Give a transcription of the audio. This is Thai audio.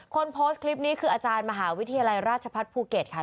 คนโพสต์คลิปนี้คืออาจารย์มหาวิทยาลัยราชพัฒน์ภูเก็ตค่ะ